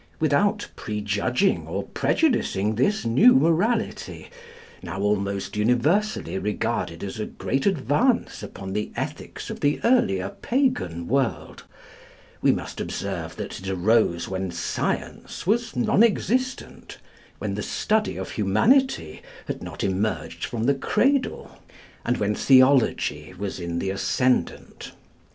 Without prejudging or prejudicing this new morality, now almost universally regarded as a great advance upon the ethics of the earlier pagan world, we must observe that it arose when science was non existent, when the study of humanity had not emerged from the cradle, and when theology was in the ascendant.